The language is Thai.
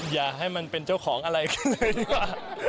อย่าให้มันเป็นเจ้าของอะไรกันเลยดีกว่า